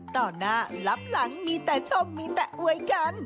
ต่อหน้ารับหลังมีแต่ชมมีแต่อวยกัน